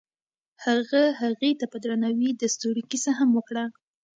هغه هغې ته په درناوي د ستوري کیسه هم وکړه.